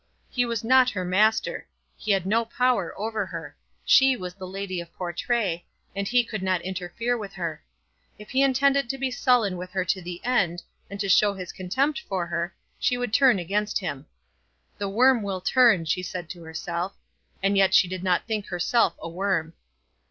He was not her master. He had no power over her. She was the lady of Portray, and he could not interfere with her. If he intended to be sullen with her to the end, and to show his contempt for her, she would turn against him. "The worm will turn," she said to herself. And yet she did not think herself a worm.